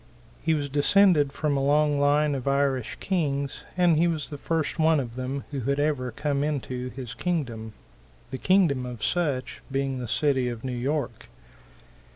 He was descended from a long line of Irish Kings, and he was the first one of them who had ever come into his kingdom the kingdom of such being the city of New York.